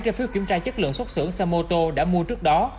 trên phiếu kiểm tra chất lượng xuất xưởng xe mô tô đã mua trước đó